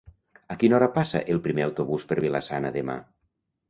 A quina hora passa el primer autobús per Vila-sana demà?